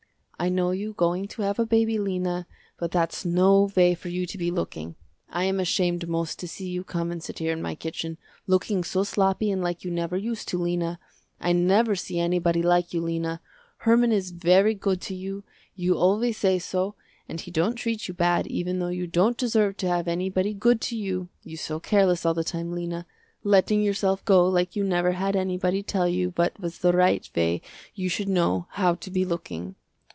"I know you going to have a baby Lena, but that's no way for you to be looking. I am ashamed most to see you come and sit here in my kitchen, looking so sloppy and like you never used to Lena. I never see anybody like you Lena. Herman is very good to you, you always say so, and he don't treat you bad even though you don't deserve to have anybody good to you, you so careless all the time, Lena, letting yourself go like you never had anybody tell you what was the right way you should know how to be looking.